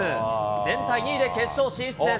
全体２位で決勝進出です。